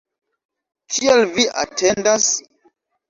Kial vi atendas?